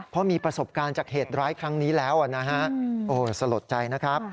เพราะมีประสบการณ์จากเหตุร้ายครั้งนี้แล้วนะฮะโอ้สลดใจนะครับ